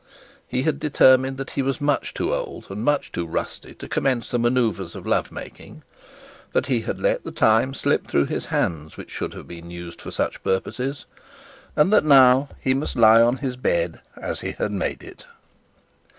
He had determined that he was much too old and much to rusty to commence the manouvres of lovemaking; that he had let the time slip through his hands which should have been used for such purposes; and that now he must lie on his bed as he had made it.